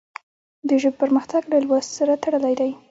د ژبې پرمختګ له لوست سره تړلی دی.